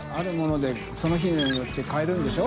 その日によって変えるんでしょ。